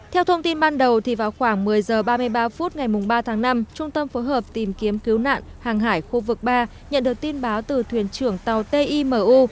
theo thông tin ban đầu vào khoảng một mươi h ba mươi ba phút ngày ba tháng năm trung tâm phối hợp tìm kiếm cứu nạn hàng hải khu vực ba nhận được tin báo từ thuyền trưởng tàu timu